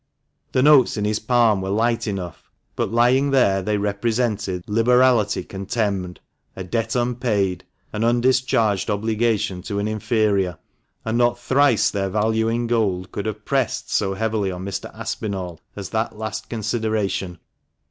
The notes in his palm were light enough, but lying there they represented liberality contemned ; a debt unpaid ; an undischarged obligation to an inferior; and not thrice their value in gold could have pressed so heavily on Mr. Aspinall as that last consideration.